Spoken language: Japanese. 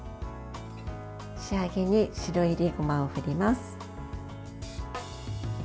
仕上げに白いりごまを振ります。